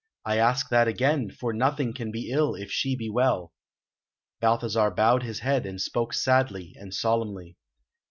I ask that again, for nothing can be ill if she be well." Balthasar bowed his head, and spoke sadly and solemnly.